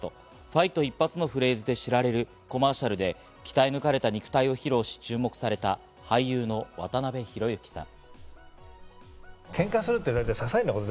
ファイト一発のフレーズで知られるコマーシャルで鍛え抜かれた肉体を披露し、注目された俳優の渡辺裕之さん。